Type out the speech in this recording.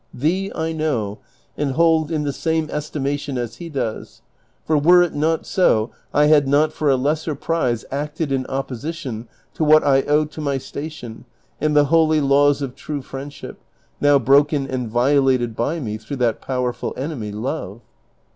I'hee I know and hold in the same estimation as he does, for were it not so I had not for a lesser prize acted in opposition to what I owe to my station and the holy laws of true friendship, now broken and violated by me through that powerful enemy, love."